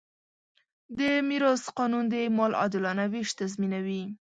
د میراث قانون د مال عادلانه وېش تضمینوي.